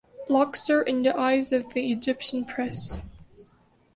Luxor in the eyes of the Egyptian press.